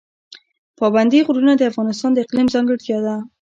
پابندی غرونه د افغانستان د اقلیم ځانګړتیا ده.